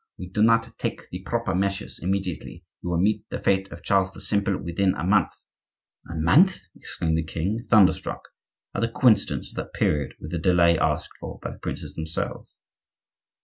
If we do not take the proper measures immediately you will meet the fate of Charles the Simple within a month." "A month!" exclaimed the king, thunderstruck at the coincidence of that period with the delay asked for by the princes themselves.